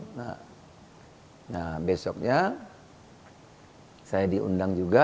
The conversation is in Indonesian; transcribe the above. nah besoknya saya diundang juga